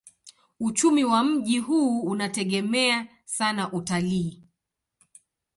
Uchumi wa mji huu unategemea sana utalii.